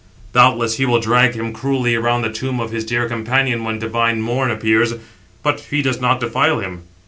Doubtless he will drag him cruelly around the tomb of his dear companion when divine morn appears; but he does not defile him.